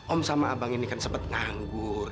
om sama abang ini kan sempat nganggur